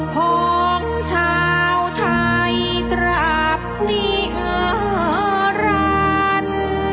ของชาวไทยตรับนี้รัน